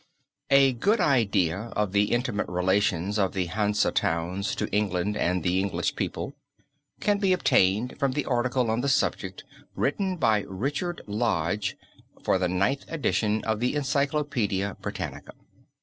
A good idea of the intimate relations of the Hansa towns to England and the English people can be obtained from the article on the subject written by Richard Lodge for the Ninth Edition of the Encyclopedia Britannica.